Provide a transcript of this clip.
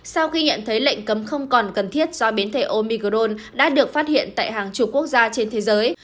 sau khi nhận thấy lệnh cấm không còn cần thiết do biến thể omicron đã được phát hiện tại hàng chục quốc gia trên thế giới